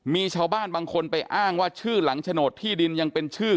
มีชาวบ้านบางคนไปอ้างว่าชื่อหลังโฉนดที่ดินยังเป็นชื่อ